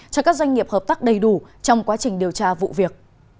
cho các doanh nghiệp hợp tác đầy đủ trong quá trình điều tra vụ việc